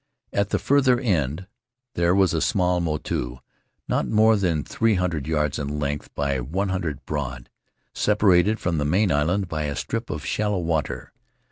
At the farther end there was a small motu not more than three hundred yards in length by one hundred broad, separated from the main island by a strip of shallc water.